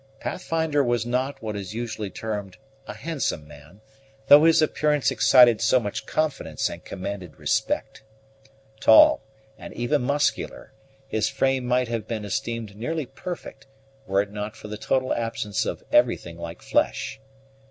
Pathfinder was not what is usually termed a handsome man, though his appearance excited so much confidence and commanded respect. Tall, and even muscular, his frame might have been esteemed nearly perfect, were it not for the total absence of everything like flesh.